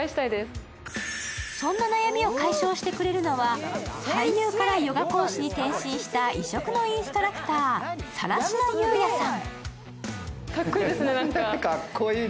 そんな悩みを解消してくれるのは俳優からヨガ講師に転身した異色のインストラクター、更科有哉さん。